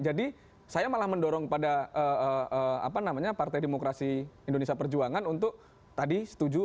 jadi saya malah mendorong pada apa namanya partai demokrasi indonesia perjuangan untuk tadi setuju